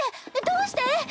どうして⁉